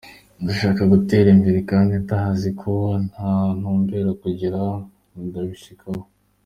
Nshaka gutera imbere kandi ndazi aho ntumbera kugira ndabishikeko.